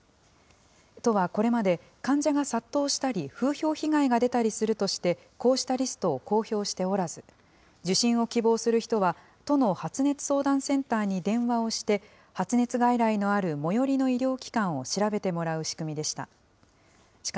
都はこれまで患者が殺到したり、風評被害が出たりするとして、こうしたリストを公表しておらず、受診を希望する人は都の発熱相談センターに電話をして、発熱外来のある最寄りの医療機関を調べてもらう仕組みでした。